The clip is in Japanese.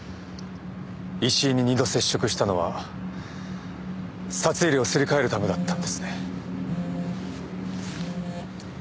石井に二度接触したのは札入れをすり替えるためだったんですね。